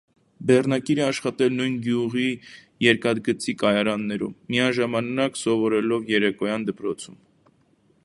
Բեռնակիր է աշխատել նույն գյուղի երկաթգծի կայարանում՝ միաժամանակ սովորելով երեկոյան դպրոցում։